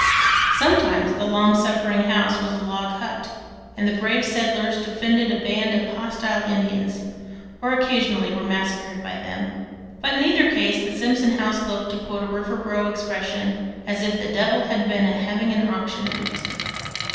Sometimes the long suffering house was a log hut, and the brave settlers defeated a band of hostile Indians, or occasionally were massacred by them; but in either case the Simpson house looked, to quote a Riverboro expression, "as if the devil had been having an auction in it."